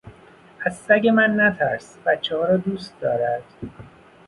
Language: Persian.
از سگ من نترس بچهها را دوست دارد.